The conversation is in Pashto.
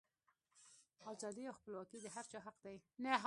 ازادي او خپلواکي د هر چا حق دی.